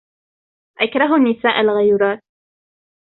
أكره النساء الغيورات.